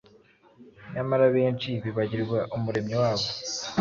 Nyamara benshi bibagirwa Umuremyi wabo